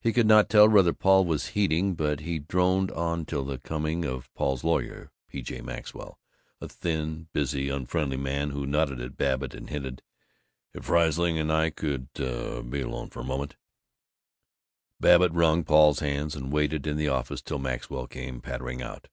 He could not tell whether Paul was heeding, but he droned on till the coming of Paul's lawyer, P. J. Maxwell, a thin, busy, unfriendly man who nodded at Babbitt and hinted, "If Riesling and I could be alone for a moment " Babbitt wrung Paul's hands, and waited in the office till Maxwell came pattering out.